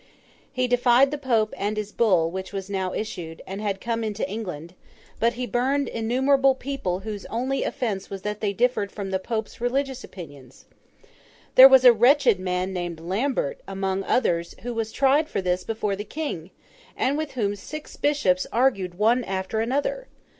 He defied the Pope and his Bull, which was now issued, and had come into England; but he burned innumerable people whose only offence was that they differed from the Pope's religious opinions. There was a wretched man named Lambert, among others, who was tried for this before the King, and with whom six bishops argued one after another.